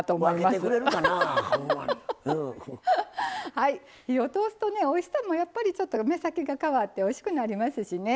はい火を通すとねおいしさもやっぱりちょっと目先が変わっておいしくなりますしね。